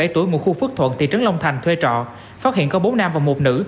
hai mươi bảy tuổi ngôi khu phước thuận tỉ trấn long thành thuê trọ phát hiện có bốn nam và một nữ